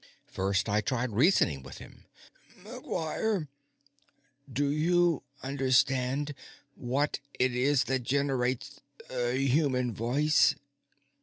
First, I tried reasoning with him. "McGuire, do you understand what it is that generates the human voice?"